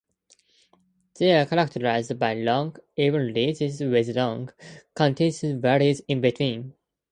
They are characterized by long, even ridges, with long, continuous valleys in between.